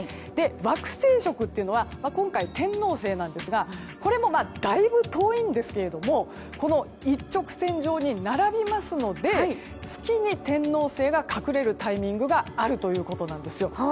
惑星食は、今回は天王星ですがこれも、だいぶ遠いんですが一直線上に並びますので月に天王星が隠れるタイミングがあるということです。